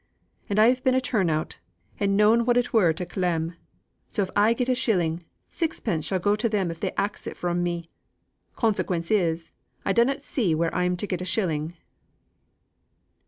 And I've been a turn out, and known what it was to clem; so if I get a shilling, sixpence shall go to them if they axe it from me. Consequence is, I dunnot see where I'm to get a shilling."